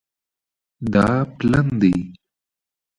دا پلن دی